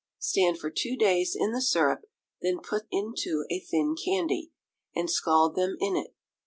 Stand for two days in the syrup, then put into a thin candy, and scald them in it.